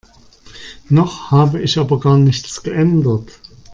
Noch habe ich aber gar nichts geändert.